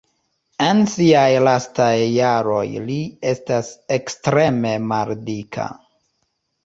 En siaj lastaj jaroj li estas ekstreme maldika.